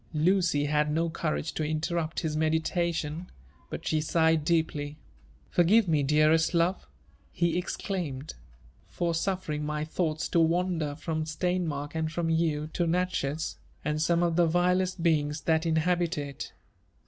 Lucy had DO courage to interrupt his meditation, but she sighed deeply. "Forgive me, dearest love!" he exclaimed, "for suffering my thoughts to wander from Steinmark and from you, to Natchez, and some of the vilest beings that inhabit it.